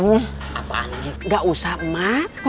gak usah mak